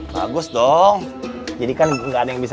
bagus dong karna gak ada yang bisa